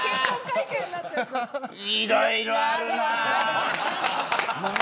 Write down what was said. いろいろあるな。